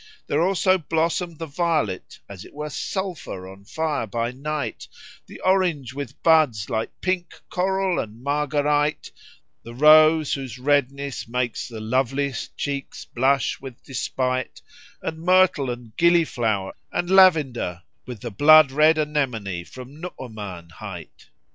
There also blossomed the violet as it were sulphur on fire by night; the orange with buds like pink coral and marguerite; the rose whose redness gars the loveliest cheeks blush with despight; and myrtle and gilliflower and lavender with the blood red anemone from Nu'uman hight.